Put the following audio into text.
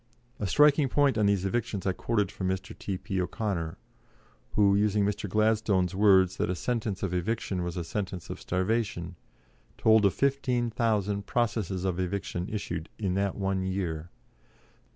A striking point on these evictions I quoted from Mr. T.P. O'Connor, who, using Mr. Gladstone's words that a sentence of eviction was a sentence of starvation, told of 15,000 processes of eviction issued in that one year.